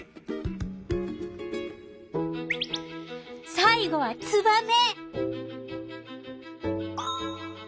さい後はツバメ。